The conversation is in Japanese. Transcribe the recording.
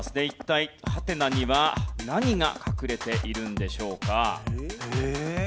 一体ハテナには何が隠れているんでしょうか？